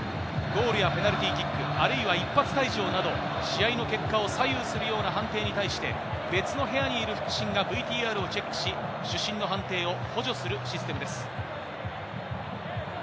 ゴールやペナルティーキック、あるいは一発退場など、試合の結果を左右するような判定に対して別の部屋にいる副審がＶＴＲをチェックし、主審の判定を補助するシステムです。